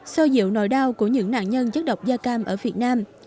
so dịu nỗi đau của những nạn nhân chất độc gia cam ở việt nam